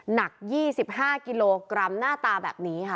หนัก๒๕กิโลกรัมหน้าตาแบบนี้ค่ะ